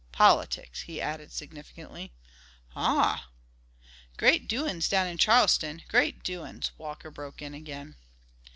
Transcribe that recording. Politics," he added significantly. "Ah!" "Great doin's down in Charleston; great doin's," Walker broke in again.